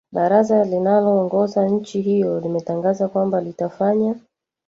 baraza linaloongoza nchi hiyo limetangaza kwamba litafanya